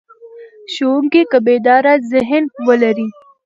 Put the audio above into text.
ښوونکی که بیداره ذهن ولري.